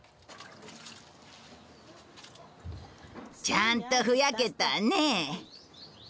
ちゃんとふやけたね。